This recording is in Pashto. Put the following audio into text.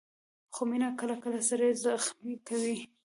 خو مینه کله کله سړی زخمي کوي.